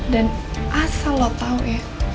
dan asal lo tau ya